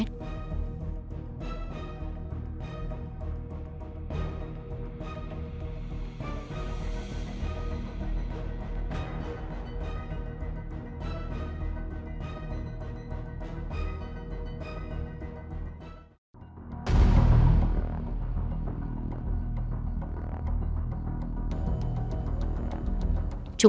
huy và hoàn